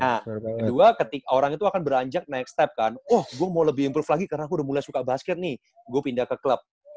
nah kedua ketika orang itu akan beranjak naik step kan oh gue mau lebih improve lagi karena aku udah mulai suka basket nih gue pindah ke klub